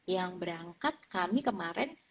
yang berangkat kami kemarin